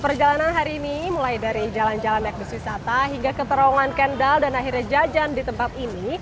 perjalanan hari ini mulai dari jalan jalan mekbus wisata hingga keterowongan kendal dan akhirnya jajan di tempat ini